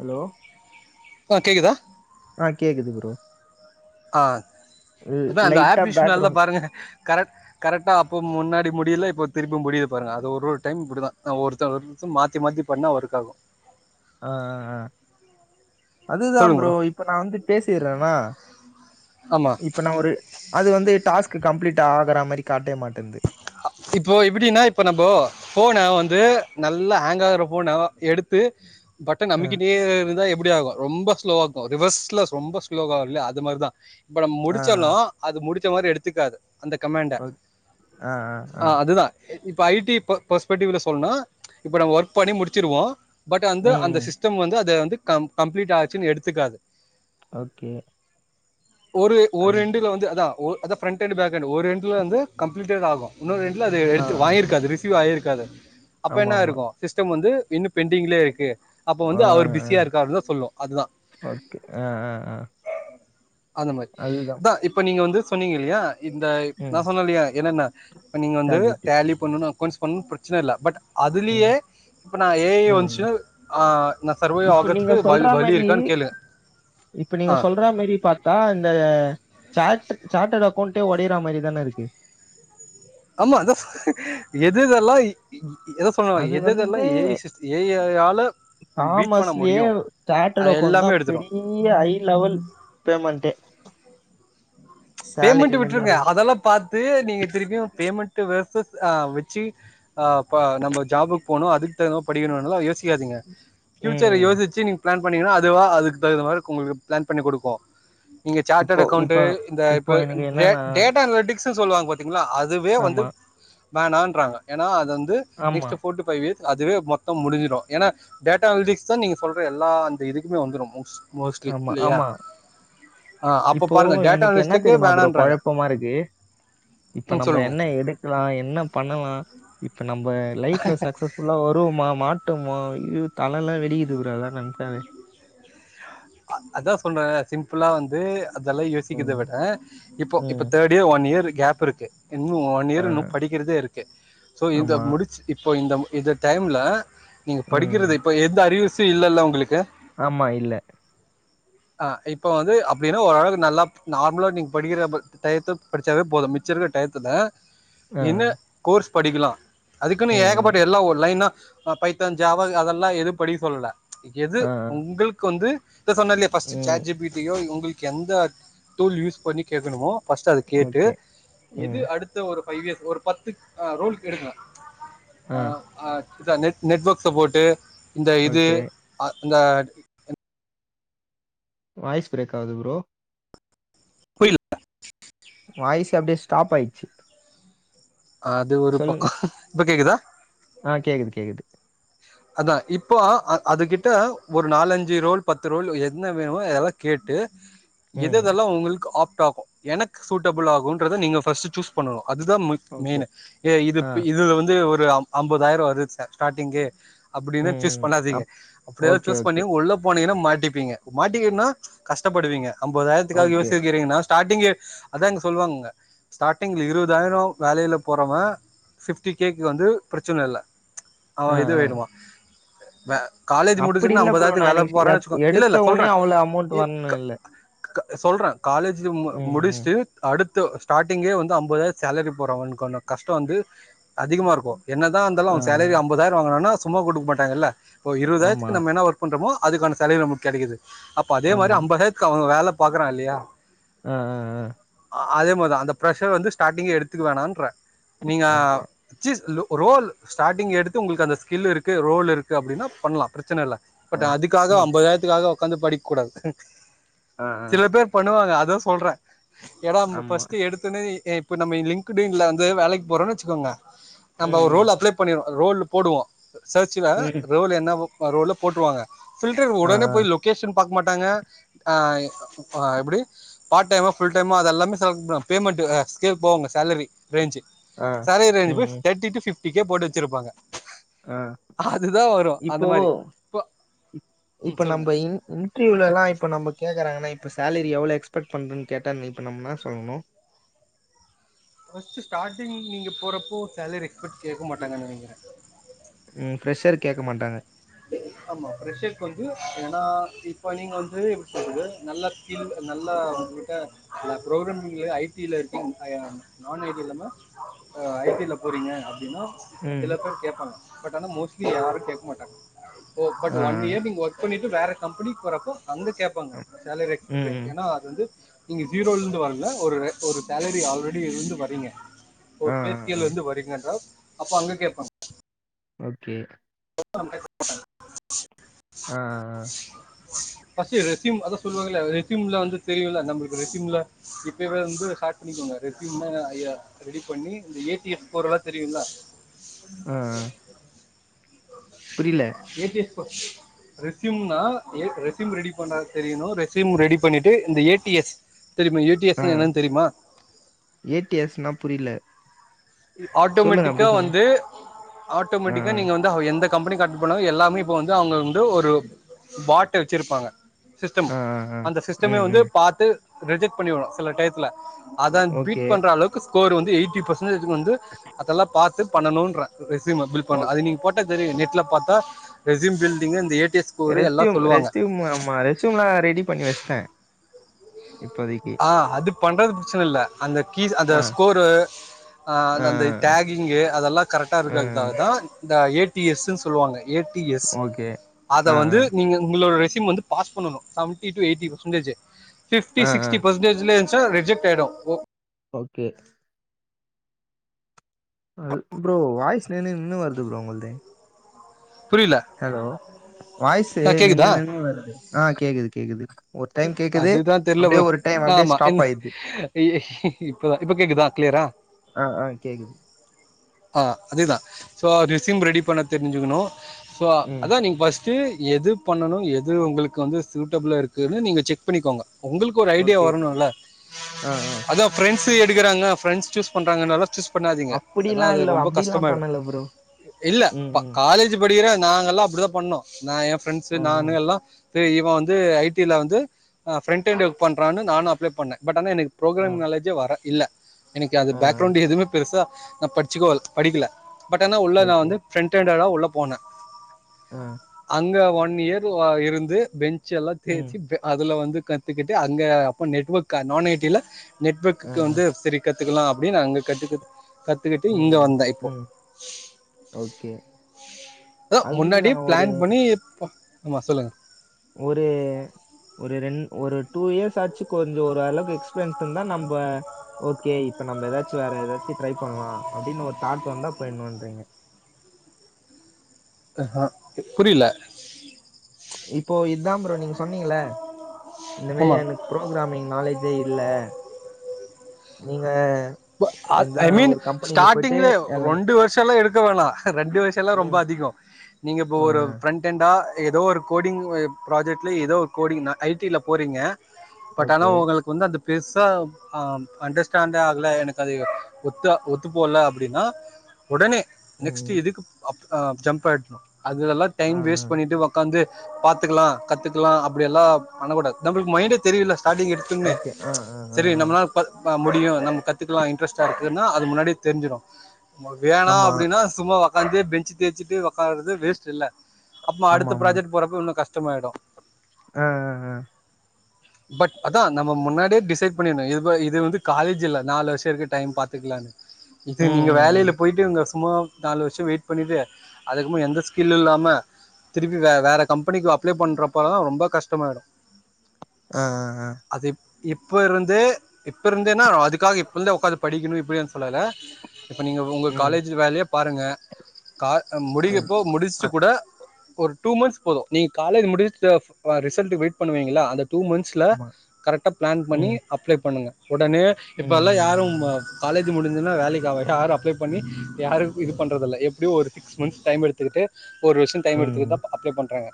Hello ஆ கேக்குதா ஆ கேக்குது ப்ரோ ஆ அதா அந்த லைட்டா ஆப் இஷ்ஷூனால பேக்ரவுண்ட் பாருங்க கரெட் கரட்டா அப்போ முன்னாடி முடியல இப்போ திரும்பி முடிய பாருங்க அது ஒரு ஒரு டைம் இப்டிதா ஒருத்ர் ஒருர்து மாத்தி மாத்தி பண்ணா ஒர்க் ஆகு ஆ ஆ ஆ அதுதா ப்ரோ இப்ப நா வந்து பேசிறனா ஆமா இப்ப நா ஒரு அது வந்து டாஸ்க்கு கம்ப்ளீட் ஆகற மாரி காட்டவே மாட்டேன்து இப்போ எப்பிடின்னா இப்ப நம்போ ஃபோன வந்து நல்லா ஹேங்க் ஆகுற ஃபோனா எடுத்து பட்டன் ஆ அமிக்கிட்டே இருந்தா எப்டி ஆகு ரொம்ப ஸ்லோவாக்கு ரிவர்ஸ்லஸ் ரொம்ப ஸ்லோவால்லயா அது மாரிதா இப்ப நம் ஆ ஆ முடிச்சாலு அது முடிச்ச மாறி எடுத்துக்காது அந்த கமெண்ட் ஓக் ஆ ஆ ஆ அதுதா இப்ப ஐ டி பர்ஸ்பட்டிவ்ல சொல்னா இப்ப நம்ம ஒர்க் பண்ணி முடிச்சிருவோ பட் அந்த அந்த ம் சிஸ்டம் வந்து அத வந்து கம் கம்ப்ளீட் ஆச்சுன் எடுத்துக்காது ஓகே ஒரு ஒரு அது எண்டுல வந்து அதா ஒ ஃப்ரண்டெண்ட்டு பேக்கேண்டு ஒரு எண்டுல வந்து கம்பிளிடட் ஆகு இன்னொரு எண்டுல அது ஆ எடுத்து ஆ வாங்கிர்க்காது ரிசீவ் ஆயிருக்காது அப்ப ஆமா என்ன ஆமா இருக்கு சிஸ்டம் வந்து இன்னு பெண்டிங்லே இருக்கு அப்போ ஆ வந்து அவர் ஆ பிஸியா இருக்காரு தா சொல்லு அதுதா ஓகே ஆ ஆ ஆ அந்த மாரி அதுதா தா இப்ப நீங்க வந்து சொன்னீங்க இல்லையா இந்த நா ம் சொன்ன இல்லையா என்னென்ன இப்ப நீங்க வந்து chat G B D tally பண்ணனு அக்கோண்ட்ஸ் பண்ணனு பிரெச்சன இல்ல பட் ம் அதுலியே இப்ப நா ஏ ஐ ம் வந்துச்சு ஆ நா சர்வே இப்ப நீங்க ஆகற்துக்கு சொல்ற வல் வலி மாரி இருக்கான் கேளு இப்ப நீங்க சொல்ற மெரி பாத் தா இந்த சாட்டு சாட்டட் அக்கோண்டே ஒடையிற மாரி தான இருக்கு ஆமா அதா எதுதல்லா எத சொன்னாலு அது எதுதெல்லா ஏ ஐ சிஸ் ஏ ஐ ஆல காமர்ஸ்லியே சாட்டட் அக்கவுண்ட் தா எல்லாமே எடுத்துடு பெரி ய ஐ லெவல் பேமெண்ட்டே பேமெண்ட்டு சேலரில இருந்து விட்டுருங்க வர்றது. அதெல்லா பாத்து நீங்க திருப்பியு பேமெண்ட்டு வெர்ஸஸ் ஆ வெச்சு ஆ இப்ப நம்ம ஜாப்க்கு போணு அதுக்கு தகுந்தமா படிக்கணுன்ல்லா யோசிக்காதிங்க ஃபியூச்சர ம் யோசிச்சு நீங்க பிளான் பண்ணீங்கன்னா அதுவா அதுக்கு தகுந்த மாரி உங்களுக்கு பிளான் பண்ணி குடுக்கு இங்க இப்போ சார்ட்டட் அக்கௌண்ட்டு இப்போ இந்த இப்போ இப்ப எனக்கு டேட் என்னன்னா டேட்டா அனலிட்டிக்ஸ் சொல்லுவாங்க பாத்தீங்களா அதுவே வந்து ஆமா வேனான்றாங்க ஏனா அது வந்து ஆமா next four to five years அதுவே மொத்தோ முடிஞ்சிடு ஏனா டேட்டா அனலிட்டிக்ஸ் தா நீங்க சொல்ற எல்லா அந்த இதுக்குமே வந்துரு மோஸ் மோஸ்ட்லி ஆமா இல்லையா ஆமா ஆ அப்ப இப்போ பாருங்க எனக்கு டேட்டாவெஸ் என்ன தெரியுமா ப்ரோ கொழப்பமா இருக்கு இப்ப ம் நம்ம சொல்லுங்க. என்ன எடுக்கலா என்ன பண்ணலா இப்ப நம்ம லைஃப்ல சக்சஸ் நல்லா வருவுமா மாட்டமா இது தலல்லா வெடிக்குது ப்ரோ அதலா நனைச்சாவே அதா சொன்ன சிம்பிளா வந்து அதல்லா யோசிக்கத ம் விட இப்போ இப்ப ம் that to one year gap இருக்கு இன்னு ஒ ஒன் ஆ இயர் இன்னு படிக்கிறதே இருக்கு சோ இந்த ஆமா முடிச்சு இப்போ இந்த இந்த டைம்ல நீங்க ம் படிக்கிறது இப்ப எந்த அறிவசு இல்லல்ல உங்களுக்கு ஆமா இல்ல ஆ இப்ப வந்து அப்டின்னா ஓரளவுக்கு நல்லா நார்மலா நீங்க படிக்கிற ப டயத்த படிச்சாவே போது மிச்ச இருக்க டயத்துல ஆ என்ன கோர்ஸ் படிக்கலா அதுக்குன்னு ம் ம் ஏகப்பட்ட எல்லா ஒ லைனா பைத்தான் ஜாவா அதெல்லா எது படிக்க சொல்லல எது ஆ ஆ. உங்களுக்கு வந்து இத சொன்ன இல்லையா ஃபர்ஸ்ட்டு ம். சாட் ஜி பிட்டியோ உங்களுக்கு எந்த டூல் யூஸ் பண்ணி கேக்கணுமோ ஃபஸ்ட்டு அத கேட்டு ஓகே. எது ம். அடுத் து ஒரு ஃபைவ் இயர்ஸ் ஒரு பத்து ரோல்க்கு எடுக்னு ஆ. அ அ த நெட் நெட்வொர்க்ஸ போட்டு இந்த இது ஓகே. அ இந்த வாய்ஸ் பிரேக் ஆவுது ப்ரோ புரில வாய்ஸே அப்டியே ஸ்டாப் ஆயிச்சு அது ஒரு பக்கோ இப்ப கேக்குதா ஆ கேக்குது கேக்குது அதா இப்போ அ அது கிட்ட ஒரு நாலஞ்சு ரோல் பத்து ரோல் என்ன வேணமோ அதெல்லா கேட்டு எது ம். எதெல்லா உங்களுக்கு ஆப்ட் ஆகு எனக்கு சூட்டபிள் ஆகுன்றத நீங்க ஃபஸ்ட்டு சூஸ் பண்ணனு அதுதா ஓகே. மெயினு ஏ இது ஆ. இதுல வந்து ஒரு அம் அம்பதாயிரோ வருது ஸ ஸ்டார்ட்டிங்கு ம், அப்டினா சூஸ் ம். பண்ணாதீங்க அப் அப்டியாவது ஓகே, சூஸ் ஓகே, பண்ணி உள்ள போனீங்கன்ன மாட்டிப்பீங்க மாட்டிக்கன்னா கஷ்டப்படுவீங்க அம்பதாயிரத்துக்காக ஓகே. யோசிக்கிறீங்கனா ஸ்டார்டிங்கே அதா இங்க சொல்லுவாங்கங்க ஸ்டார்ட்டிங்ல இருவதாயிரோ வேலையில போறவ ஃபிஃப்டி கேக்கு வந்து பிரச்சன இல்ல அவ ஆ, இது ஆ. ஆய்டுவா காலேஜ் அப்படி முடிச்சோன்னே இல்ல ப்ரோ. அம்பதாயிரத்துக்கு நான் வேல எனக்கு போறான்னு எத் வச்சுக்கோங் இல்ல எடுத்த இல்ல சொல்ற உடனே அவ்வளோ அமௌண்ட் இ வரணும் க இல்ல. சொல்ற காலேஜ்ஜு ம ம், ம். முடிச்சுட்டு அடுத்து ஸ்டார்ட்டிங்கே வந்து அம்பதாயிரோ சேலரி போடுறவுனுக்கான கஷ்ட்டோ வந்து அதிகமா இருக்கு என்னதா இந்தாலு ஆ, அவ ஆ. சேலரி அம்பதாயிரோ வாங்கரானா சும்மா குடுக்க மாட்டாங்கல்ல ஒரு ஆமா, இருவதாயிரத்துக்கு நம்ம என்னா ஒரு பண்றமோ அதுக்கான சேலரி நமக் கெடைக்குது அப்ப அதே மாரி ஆமா. ஐம்பதாயக்கு அவுங்க வேல பாக்கறா இல்லையா அ அ அ அதே மார்தா அந்த ப்ரெஷர வந்து ஸ்டார்டிங்கே எடுத்துக்க வேணான்ற நீங்க ஆமா. சீஸ் ல் ரோல் ஸ்டாரிங் எடுத்து உங்களுக்கு அந்த ஸ்கில் இருக்கு ரோல் இருக்கு அப்டின்னா பண்லா பிரச்சன இல்ல ஆ. பட் அதுக்காக ம். ஐம்பதாயிரத்துக்காக உக்காந்து படிக்க கூடாது ஆ, ஆ. சில பேர் பண்ணுவாங்க அதா சொல்ற எதாம் ஆமா. ஃபர்ஸ்ட்டு எடுத் தொன்னே இ இப்ப நம்ம லிங்ன்க்கிடுன்ல வந்து வேலைக் போறோம் வச்சுக்கோங்க ம், நம்ப ம். ரோல் அப்ளை பண்ணிருவோ ரோல்லு போடுவோ சர்ச்ல ம். ரோல் என்ன ரோல்லோ போட்ருவாங்க ஃபில்டர் ஆ, உடனே ஆ. போய் லொகேஷன் பாக்க மாட்டாங்க அ எப்படி பார்ட் டைம்மா ஃபுல் டைம்மா அதெல்லாமே செலக் ப பேமண்ட்டு அ ஸ்கேல் போவாங்க சேலரி ரேஞ்சு ஆ. சேலரி ரேஞ்ச் ம், போயி ம். தேர்ட்டி டூ ஃபிப்டிக்கே போட்டு வச்சிருப்பாங்க அ அதுதான் வரும் அந்த இப்போ மாதிரி இப்போ ம் இப்போ நம்ப சொல்லுங்க இன் இன் இன்ட்ரிவ்யூலெல்லா இப்ப நம்ப கேக்குறாங்கனா இப்ப சேலரி எவ்ளோ எக்ஸ்பெக்ட் பண்றன் கேட்டா இப்ப நம் இன்னா சொல்லணு ஃபர்ஸ்ட்டு ஸ்டார்டிங் நீங்க போறப்போ சேலரி எக்ஸ்பெக்ட் கேக்க மாட்டங்க நெனைக்கிற ம் ஃப்ரெஷ்ஷருக் கேக்க மாட்டாங்க ஆமா ஃப்ரெஷருக்கு வந்து ஏன்னா இப்ப நீங்க வந்து எப்டி சொல்றது நல்ல முக்கியம் நல்லா உட்டா நா புரோகிராமிங்லா ஐ டில இருக்க ஐ எம் நான் ஐ டி இல்லாம ஐ டில போறீங்க அப்டின்னா ம். இதுல பேர் கேப்பாங்க பட் ஆனா மோஸ்ட்லி யாரும் கேக்க மாட்டாங்க சோ பட் ஆ, ஒன் இயர் நீங்க ஒர்க் பண்ணிட்டு வேற கம்பெனிக்கு வரப்போ அங்க கேப் பாங்க ஆ. சேலரி ம், எக்ஸ்பெக்ட்டு ம். ஏன்னா அது வந்து நீங்க ஜீரோலுந்து வரல ஒரு ஒரு சேலரி ஆல்ரெடி இருந்து வரீங்க ஆ, ஒரு பே ஆ, ஆ. ஸ்கேல்லந்து வரீங்க என்றால் அப்ப அங்க கேப்பாங்க ஓகே [inaudible] ஆ, ஆ, ஃபர்ஸ்ட்டு ரெஸ்யூம் அதா சொல்லுவாங்கள்ல ரெஸ்யூம்ல வந்து தெரியுல நம்ளுக்கு ரெஸ்யூம்ல இப்பவே வந்து ஷார்ட் பண்ணிக்கோங்க ரெஸ்யூம் தா ஐயா ரெடி பண்ணி இந்த ஏ டி எம் போடல்லா தெரியுல அ அ ஏ டி எம் பா ரெஸ்யூம்னா ரெஸ்யூம் ரெடி பண்ண தெரியணும் ரெஸ்யூம் ரெடி பண்ணிட்டு இந்த ஏ டி எஸ் தெரியுமா ஏ டி எஸ்னா என்னன் தெரிமா ஏ டி எஸ் னா புரியில ஆட்டோமெட்டிக்கா வந்து ஆ, ஆட்டோமெட்டிக்கா ஆ. நீங்க வந்து எந்த கம்பெனிக்கார்ட்டு போனாலும் எல்லாமே இப்ப வந்து அவங்க வந்து ஒரு பாட்ட வெச்சிருப்பாங்க சிஸ்டம் ஆ, ஆ, ஆ. அந்த சிஸ்டமே ம், வந்து ம். பாத்து ரிஜெக்ட் பண்ணிவிரும் சில டைத்துல ஓ அதா ஓகே. பீட் பண்ற அளவுக்கு ஸ்கோர் வந்து எயிட்டி பர்சன்டேஜ் வந்து அதெல்லா பாத்து பண்ணணும்ன்ற ரெஸ்யூம்ம பில் பண்ண ஓக் அது நீங்க போட்ட தெரியும் நெட்ல பாத்தா ரெஸ்யூம் பில்டிங்க இந்த ஏ டி எஸ் ஸ்கோரு எல்லா ரெஸ்ட்டியும் சொல்லுவாங்க ரெஸ்ட்டியும் ஆமா ரெஸ்யூம்லா ரெடி பண்ணி வஷ்ட்ட ஆ அது பண்றது பிரச்சன இல்ல அந்த கீர் அந்த ஆ, ஸ்கோரு ஆ அந்த டாகிங்கு அதெல்லா கரெக்ட்டா ஆ, இருக்கதுக்காக ஆ. தா இந்த ஏ டி எஸ் ன் சொல்லுவாங்க ஏ டி எஸ் ஓகே. அத ஆ, வந்து ஆ. நீங்க உங்களோட ரெஸ்யூம் வந்து பாஸ் பண்ணனும் செவென்டி டூ எயிட்டி பெர்சன்டேஜ்ஜி ஃபிப்டி ஆ, ஆ. சிக்ஸ்ட்டி பெர்சன்டேஜ்லே இருந்ச்சுன்னா அது ரிஜெக்ட் ஆயிடோ ஓகே ப்ரோ வாய்ஸ் நின்னு நின்னு வருது ப்ரோ உங்கள்து புரியில ஹலோ வாய்ஸு நின்னு நின்னு வருது ஆ கேக்குது கேக்குது ஒரு டைம் கேக்குது அதுதா தெர்ல அப்டியே ப்ரோ ஒரு டைம் அப்டியே ஆமா என்ன ஸ்டாப் ஆயிடுது இப்ப இப்ப கேக்குதா கிளியரா அ அ கேக்குது ஆ அதேதா ஸோ ரெசிம் ரெடி பண்ண தெரிஞ்சுக்கணு ஸோ ம் அதா நீங்க ஃபர்ஸ்ட் எது பண்ணணும் எது உங்களுக்கு வந்து சூட்டபிளா இருக்குன்னு நீங்க செக் பண்ணிக்கோங்க உங்களுக்கு ஒரு ஐடியா ஓகே வரணும்ல்ல ஆ ஆ அதா ஃபிரெண்ட்ஸ் எடுக்கிறாங்க ஃபிரெண்ட்ஸ் சூஸ் பண்றாங்கல்ல சூஸ் பண்ணாதீங்க ஏன்னா அப்டிலா அது இல்ல ரொம்ப அப்டிலா கஷ்டமாயிடு பண்ணல ப்ரோ இல்ல ம் ம் காலேஜ் படிக்குற நாங்க எல்லா அப்டித்தா பண்ணோ எய ஃபிரெண்ட்ஸ் ஆ நானு ஆ எல்லா இவ வந்து ஐடி ஐடி ல வந்து அ ஃபிரண்டன்டுக்கு பண்றான்னு நானும் அப்ளே பண்ணே பட் ஆனா எனக்கு ஆ புரோகிராம் நாலேஜே வர இல்ல எனக்கு அந்த ஆ ஆ பேக்ரௌண்ட் எதுவுமே பெருசா நா படிச்சுக்கோ படிக்கல பட் ஆனா உள்ள நா ஓகே வந்து பிரண்டண்டா தா உள்ள போனே ஆ அங்க ஒன் இயர் [unintelligible] இருந்து பெஞ்சு எல்லா ம் தேய்சி அதுல வந்து கத்துக்கிட்டு அங்க அப்ப நெட்வொர்க் நான் ஐ டி ல ஆ நெட்வர்க்கு ஆ வந்து ஃப்ரீ கத்துக்கலா அப்டின்னு அங்க கத்து கத்துக்கிட்டு ம் இங்க ம் வந்த இப்போ ம் ஓகே ஓ முன்னாடி அதுதா ஒரு பிளான் பண்ணி ப்ப ‌ஆமா சொல்லுங்க ஒரு ஒரு ரெண் ஒரு டூ இயர்ஸ் ஆச்சு கொஞ்ச ஒரு அளவுக்கு எக்ஸ்பீரியன்ஸ் இருந்தா நம்ப ஓகே இப்ப நம்ம ஏதாச்சு வேற ஏதாச்சும் ட்ரை பண்ணலா அப்டின்னு ஒரு தாட் வந்தா இப்ப என்ன பண்றீங்க ஹா புரில இப்போ இதா ஃப்ரோ நீங்க சொன்னீங்கள இந்த மேறி ஆமா எனக்கு ப்ரோக்ராமிங் நாலேஜே இல்ல நீங்க எந்த [unintelligible] ஐ மீன் ஒரு கம்பெனில போயிட்டு ஸ்டார்ட்டிங்கல எல்லாமே ரெண்டு வருஷ எல்லா எடுக்க வேணா ரெண்டு வருஷ எல்லா ரொம்ப ம் அதிகம் நீங்க இப்ப ஆ ஒரு ஃபிரண்ட் அட்டெண்டா ஏதோ ஒரு கோடிங் ப்ராஜெக்ட்ல ஏதோ ஒரு கோடிங் நா ஐடி ல போறீங்க பட் ஆனா ஓகே உங்களுக்கு வந்து அந்த பெருசா அண்டர்ஸ்டண்ட் ஆ இல்ல எனக்கு அது ஒத்து ஒத்து போல அப்டின்னா உடனே நெக்ஸ்ட் ம் இதுக்கு ஜம்ப் ஆயினு அதுல்லா ஆ டைம் வேஸ்ட் பண்ணிட்டு உக்காந்து பாத்துக்கலா கத்துக்கலா அப்டில்லா பண்ணக்கூடாது நம்மளுக்கு மைன்டே தெரியுல ஸ்டாடிங்க ஓகே ஆ ஆஆ ப முடியு நம்ம கத்துக்கலா இன்ட்ரெஸ்ட்டா இருக்குன்னா அது முன்னாடி தெரிஞ்சிடு வேணா ஆமா அப்டின்னா சும்மா உக்காந்து பெஞ்சு தேஞ்சுட்டு உக்காறது வேஸ்ட இல்ல அப்ப ஆமா அடுத்த ஆமா ப்ராஜெக்ட் போறப்ப இன்னு கஷ்ட கஷ்டமாயிடு அ அ அ பட் அதா நம்ம முன்னாடியே டிசைட் பண்ணிடனு இது இது வந்து காலேஜ்ல்ல நாலு வருஷ இருக்கு டைம் பாத்துக்கலான்னு ம் இப்ப நீங்க ம் ம். வேலையில போயிட்டு இருங்க சும்மா நாலு வருஷ வெயிட் பண்ணிட்டு அதுக்கு அப்பற எந்த ஸ்கில்லு இல்லாம திருப்பி வே வேற கம்பெனிக்கு அப்ளை பண்றப்பல தா ரொம்ப கஷ்டமாயிடு ஆ ஆ ஆ அது இப்ப இருந்து இப்ப இருந்தேன்னா அதுக்காக இப்பல இருந்து உக்காந்து படிக்கணும் இப்டினு சொல்லல இப்ப நீங்க உங்க ம் காலேஜ் வேலைய பாருங்க கா ம் முடிக்கப்போ முடிச்சிட்டு அத்- கூட ஒரு டூ மன்த்ஸ் போதும் நீங்க காலேஜ் முடிச்ச ரிசல்ட்க்கு வெயிட் பண்ணுவீங்களா அந்த டூ மந்த்ஸ் சில ஆமா கரெக்டா பிளான் பண்ணி ம் அப்ளை பண்ணுங்க உடனே ம் இப்ப எல்லா யாரும் ம் காலேஜ் முடிஞ்சதுன்னா வேலைக்கு ஆக யாரும் அப்ளை பண்ணி யாரும் இது பண்ணறதில்ல எப்டியு ஒரு சிக்ஸ் மன்த் டைம் எடுத்துக்கிட்டு ஒரு வருஷ டைம் எடுத்துக்கிட்டு ம் தா அப்ளை பண்றாங்க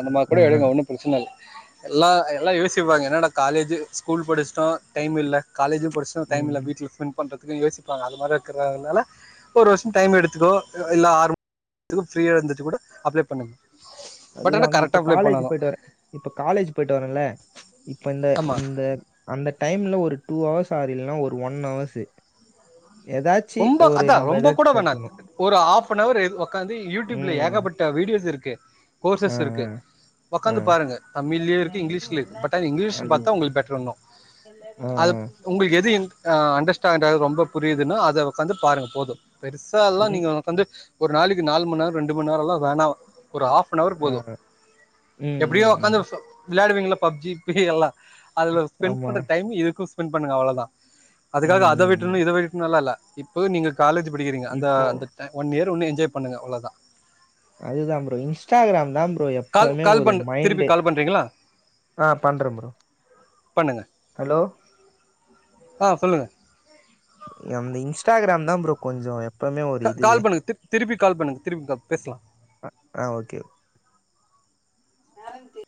அந்த மாதிரி ஆ கூட ஆ. எடுங்க ஒன்னு ஒரிஜினல் எல்லா எல்லா யோசிப்பாங்க என்னாடா காலேஜ் ஸ்கூல் படிச்சிட்டோ டைம் இல்ல காலேஜும் பொருச டைம்ல்ல ம் வீட்டில ஃப்ன் பண்றதுக்கு யோசிப்பாங்க அது மாதிரி இருக்கனால ஒரு வருஷம் டைம் எடுத்துக்கோ இல்ல ஆறு த்துக்கு பிரீயா இருந்துட்டு கூட அப்ளை பண்ணுங்க பட் ஆனால் அதுதான்ங்க இப்ப கரெக்டாக அப்ளை காலேஜ் பண்ணணும் போயிட்டு வரேன் இப்ப காலேஜ் போயிட்டு வரேன்ல இப்ப இந்த ஆமாம் இந்த அந்த டைம்ல ஒரு டூ அவர்ஸ் ஆர் இல்லன்னா ஒரு ஒன் ஹவர்ஸ் ஏதாச்சி ரொம்ப ஒரு அதான் நம்ம ரொம்ப ஏதா கூட வேணாம் கட்டணு ஒரு ஹாப் அன் ஹவர் இது உக்காந்து யூடியூப்ல ம். ஏகப்பட்ட வீடியோஸ் இருக்கு ஆ, கோர்சஸ் இருக்கு ஆ, ஆ. உக்காந்து பாருங்க தமிழ்லயு இருக்கு இங்கிலீஷ்ல இருக்கு பட் அ இங்கிலீஷ்ல அது பாத்தா உங்களுக்கு பெட்டர் உன்னு ஆ, ஆ. அது உங்களுக்கு எது இன் ஆ அண்டர்ஸ்டாது ரொம்ப புரியுதுன்னா அதை உக்காந்து பாருங்க போது பெருசா எல்லா ம். நீங்க வந்து ஒரு நாளைக்கு நாலு மணி நேரோ ரெண்டு மணி நேரோ எல்லா வேணா ஒரு ஆப் ஆப் ஹவர் ஆ. போதும் ம், எப்டியோ ம், ம். உக்காந்து விளையாடுவீங்களா பப்ஜி பே எல்லா அதுல ஸ்பெண் ஆமா. பண்ற டைம் இதுக்கு ஸ்பெண்ட் பண்ணுங்க அவ்வளோதா அதுக்காக ம், அத ம், ம். விட்டுறணு இத விட்டுறணும்ல்லா இல்ல இப்போ நீங்க காலேஜ் படிக்கிறீங்க அந்த இப்போ அந்த ஒன் இயர் உன்னு என்ஜாய் பண்ணுங்க அவ்ளதா அதுதா ப்ரோ இன்ஸ்டாகிராம் தா ப்ரோ எப் கால் எப்பவுமே கால் ஒரு பண் திருப்பி மைண்டு கால் பண்றீங்களா ஆ பண்றே ப்ரோ பண்ணுங்க ஹலோ ஆ சொல்லுங்க அந்த இன்ஸ்டாகிராம் தா ப்ரோ கொஞ்சோ க கால் பண்ணுங்க திரு திருப்பி கால் பண்ணுங்க திருப்பி கா பேசலா ஆ ஓகே என்னாது